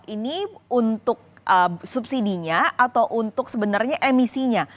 ini untuk subsidinya atau untuk sebenarnya emisinya